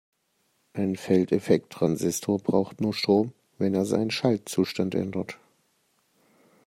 Ein Feldeffekttransistor braucht nur Strom, wenn er seinen Schaltzustand ändert.